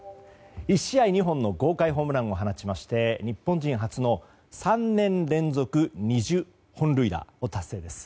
１試合２本の豪快ホームランを放ちまして日本人初の３年連続２０本塁打を達成です。